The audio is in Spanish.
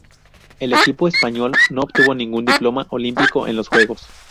El equipo español no obtuvo ningún diploma olímpico en estos Juegos.